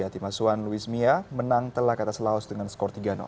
tim asuhan luis mia menang telah kata selaus dengan skor tiga